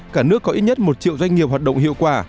cả nước có ít nhất một triệu doanh nghiệp hoạt động hiệu quả